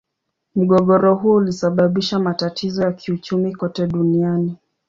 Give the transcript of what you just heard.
Mgogoro huo ulisababisha matatizo ya kiuchumi kote duniani.